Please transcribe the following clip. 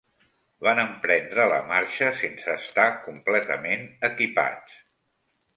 Van emprendre la marxa sense estar completament equipats.